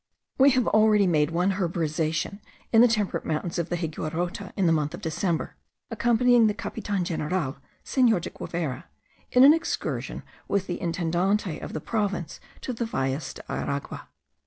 We had already made one herborization in the temperate mountains of the Higuerote in the month of December, accompanying the capitan general, Senor de Guevara, in an excursion with the intendant of the province to the Valles de Aragua.